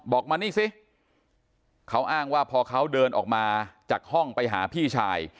บอกมานี่สิเขาอ้างว่าพอเขาเดินออกมาจากห้องไปหาพี่ชาย